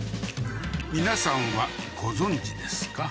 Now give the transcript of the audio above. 皆さんはご存じですか？